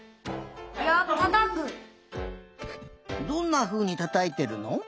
どんなふうにたたいてるの？